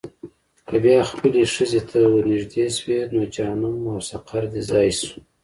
که بیا خپلې ښځې ته ورنېږدې شوې، نو جهنم او سقر دې ځای شو.